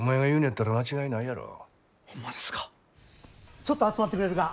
ちょっと集まってくれるか。